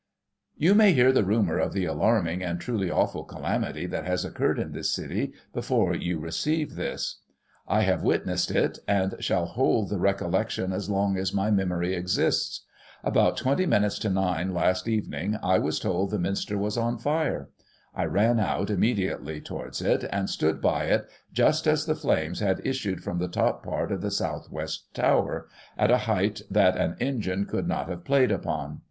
" You may hear the rumour of the alarming and truly awful calamity that has occurred in this city, before you receive this. Digiti ized by Google I840] FIRE AT YORK MINSTER. 13S I have witnessed it, and shall hold the recollection as long as my memory exists. About 20 minutes to 9 last evening. I was told the Minster was on fire. I ran out, immediately, towards it, and stood by it, just as the flames had issued from the top part of the south west tower, at a height that an engine could not have played upon.